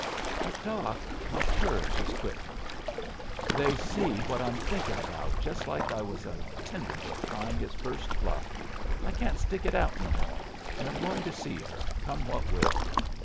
"But, Doc, my courage has quit me. They see what I'm thinking about just like I was a tenderfoot trying his first bluff. I can't stick it out no more, and I'm going to see her, come what will.